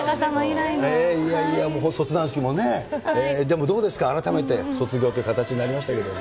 いやいや、卒団式も、でもどうですか、改めて卒業という形になりましたけれども。